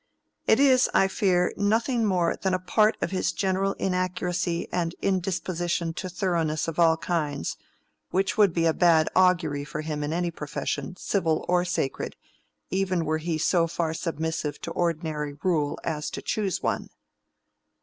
"It is, I fear, nothing more than a part of his general inaccuracy and indisposition to thoroughness of all kinds, which would be a bad augury for him in any profession, civil or sacred, even were he so far submissive to ordinary rule as to choose one."